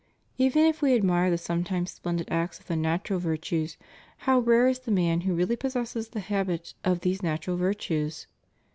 Even if we admire the some times splendid acts of the natural virtues, how rare is the man who really possesses the habit of these natural virtues?